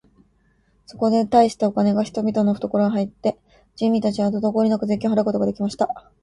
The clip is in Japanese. そこで大したお金が人々のふところに入って、人民たちはとどこおりなく税金を払うことが出来ました。